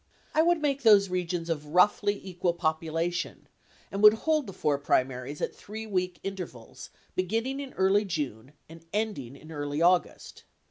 I would make those regions of roughly equal population and would hold the four primaries at 3 week intervals beginning in early June and ending in early August.